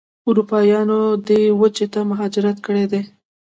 اروپایانو دې وچې ته مهاجرت کړی دی.